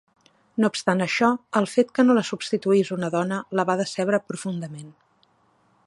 No obstant això, el fet que no la substituís una dona la va decebre profundament.